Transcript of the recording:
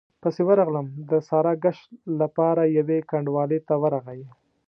پسې ورغلم، د ساراګشت له پاره يوې کنډوالې ته ورغی،